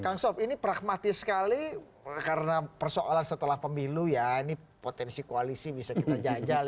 kang sob ini pragmatis sekali karena persoalan setelah pemilu ya ini potensi koalisi bisa kita jajal